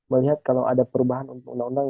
melihat kalau ada perubahan untuk undang undang